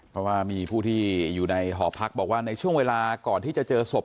เพราะว่ามีผู้ที่อยู่ในหอพักบอกว่าในช่วงเวลาก่อนที่จะเจอศพ